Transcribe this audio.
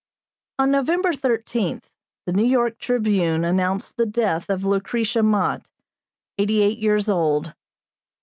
On November 13 the New York Tribune announced the death of Lucretia Mott, eighty eight years old.